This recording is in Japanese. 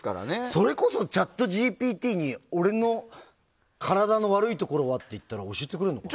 それこそＣｈａｔＧＰＴに俺の体の悪いところは？って聞いたら教えてくれるのかな？